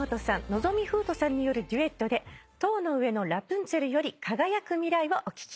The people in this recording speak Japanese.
望海風斗さんによるデュエットで『塔の上のラプンツェル』より『輝く未来』をお聴きください。